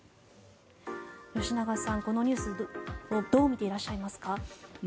吉永さん、このニュースどう見ていらっしゃいますか。